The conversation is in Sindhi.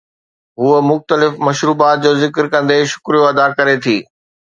هوءَ مختلف مشروبات جو ذڪر ڪندي شڪريو ادا ڪري ٿي